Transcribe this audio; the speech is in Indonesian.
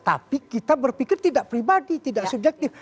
tapi kita berpikir tidak pribadi tidak subjektif